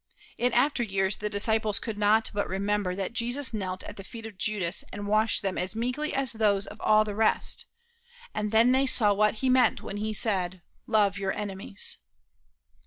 In after years the disciples could not but remember that Jesus knelt at the feet of Judas and washed them as meekly as those of all the rest; and then they saw what he meant when he said, "Love your enemies."